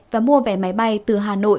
và mua vé máy bay từ hà nội